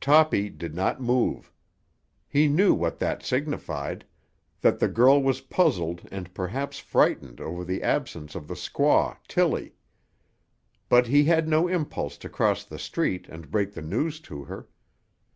Toppy did not move. He knew what that signified—that the girl was puzzled and perhaps frightened over the absence of the squaw, Tilly; but he had no impulse to cross the street and break the news to her.